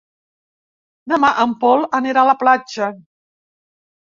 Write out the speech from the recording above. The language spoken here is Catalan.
Demà en Pol anirà a la platja.